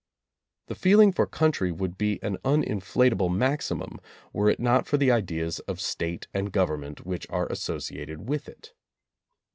The feeling for country would be an unin flatable maximum were it not for the ideas of State and Government which are associated with it.